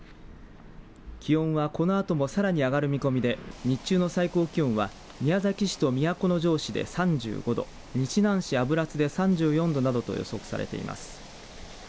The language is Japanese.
気温は、このあともさらに上がる見込みで日中の最高気温は宮崎市と都城市で３５度日南市油津で３４度などと予想されています。